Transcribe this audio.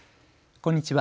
こんにちは。